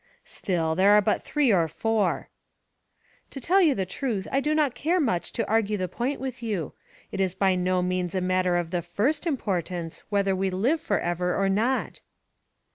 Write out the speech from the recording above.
"Still there are but three or four." "To tell you the truth, I do not care much to argue the point with you. It is by no means a matter of the FIRST importance whether we live for ever or not."